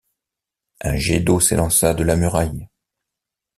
Un jet d’eau s’élança de la muraille.